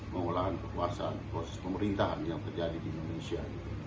pengolahan kekuasaan pemerintahan yang terjadi di indonesia